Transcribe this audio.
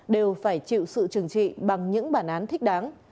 đều phải chịu sự trừng trị bằng những bản án thích đáng